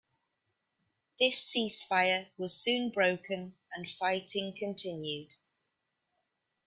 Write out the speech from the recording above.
This ceasefire was soon broken and fighting continued.